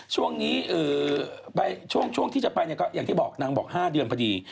ช่วงนี้ช่วงที่เดียวจะไปนางบอก๕เดือนพอดี